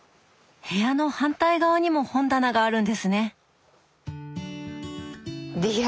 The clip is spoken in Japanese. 部屋の反対側にも本棚があるんですね！